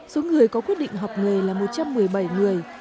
số người có quyết định học nghề là một trăm một mươi bảy người